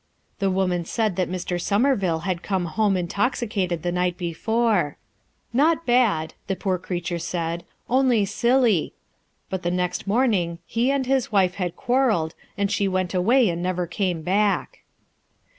The woman said that Sir, SomerviDe had come home FOR MAYBELLE'S SAKE 213 Intoxicated the night before; "not had" th poor creature said, "only silly," but ^* morning he and his wife had quarrelled, and she went away and never came back.